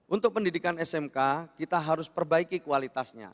untuk pendidikan smk kita harus perbaiki kualitasnya